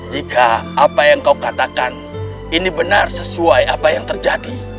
jika apa yang kau katakan ini benar sesuai apa yang terjadi